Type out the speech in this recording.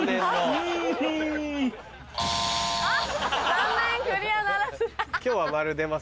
残念クリアならず。